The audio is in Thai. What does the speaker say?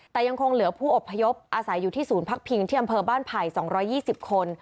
แต่ยังคงเหลือผู้อบพยพอาศัยอยู่ที่ศูนย์พักพิงที่อำเภอบ้านไผ่๒๒๐คน